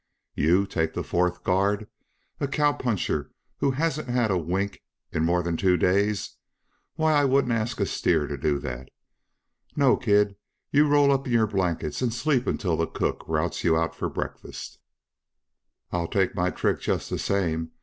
"You take the fourth guard? A cowpuncher who hasn't had a wink in more than two days? Why, I wouldn't ask a steer to do that! No kid, you roll up in your blankets and sleep until the cook routs you out for breakfast." "I'll take my trick just the same.